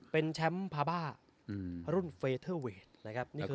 เป็นแชมป์พาบ้ารุ่นเฟเทอร์เวทนะครับ